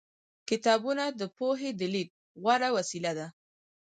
کتابونه د پوهې د لېږد غوره وسیله ده.